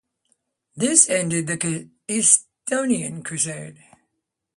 This ended the Estonian Crusade.